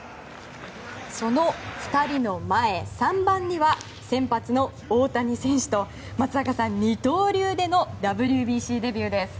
その２人の前、３番には先発の大谷選手と松坂さん二刀流でのＷＢＣデビューです。